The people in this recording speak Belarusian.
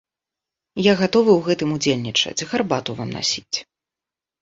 Я гатовы ў гэтым удзельнічаць, гарбату вам насіць.